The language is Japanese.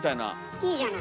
いいじゃない。